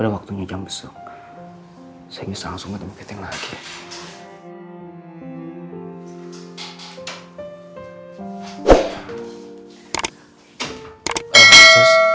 udah waktunya jam besok saya ingin langsung ketemu kita lagi